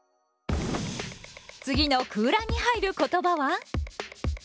次の空欄に入る言葉は？